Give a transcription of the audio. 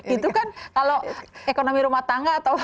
itu kan kalau ekonomi rumah tangga atau